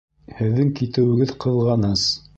Һеҙҙең китеүегеҙ ҡыҙғаныс.